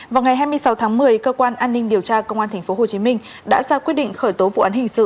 vào ngày hai mươi sáu tháng một mươi cơ quan an ninh điều tra công an tp hcm đã ra quyết định khởi tố vụ án hình sự